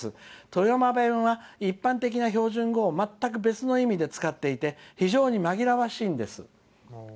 富山弁は一般的な標準語をまったく別の標準語として使っていて非常に紛らわしいんです。